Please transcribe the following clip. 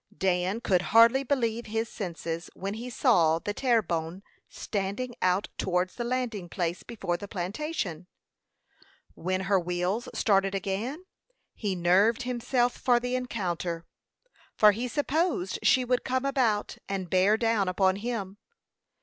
Dan could hardly believe his senses when he saw the Terre Bonne standing out towards the landing place before the plantation. When her wheels started again, he nerved himself for the encounter; for he supposed she would come about, and bear down upon him.